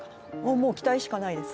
もう期待しかないです。